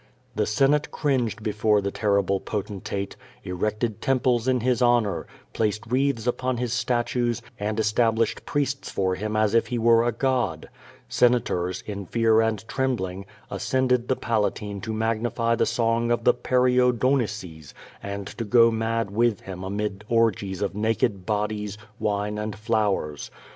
The Senate cringed before the terrible potentate, erected temples in his honor, placed wreaths upon his statues, and established priests for him as if he were a god. Senators, in fear and trembling, ascended the Palatine to magnify the song of the "Perio Donices," and to go mad with him amid orgies of naked bodies, wine and flowers.